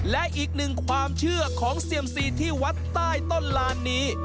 และอีกหนึ่งความเชื่อของเซียมซีที่วัดใต้ต้นลานนี้